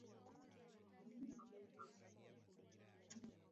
Kitabu ni kipya